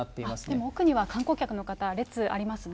でも奥には観光客の方、列、ありますね。